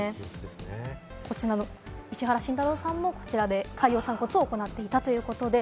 石原慎太郎さんもこちらで海洋散骨を行っていたということです。